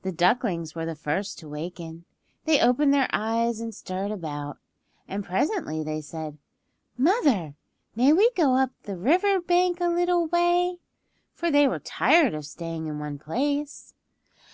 The ducklings were the first to waken. They opened their eyes and stirred about, and presently they said, "Mother, may we go up the river bank a little way?" For they were tired of staying in one place.